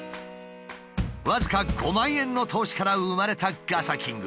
僅か５万円の投資から生まれたガサキング。